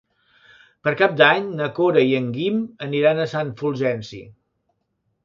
Per Cap d'Any na Cora i en Guim aniran a Sant Fulgenci.